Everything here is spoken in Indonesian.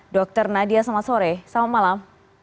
dr nadia selamat sore selamat malam